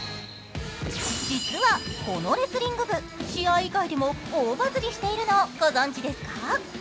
実はこのレスリング部、試合以外でも大バズりしているのをご存じですか？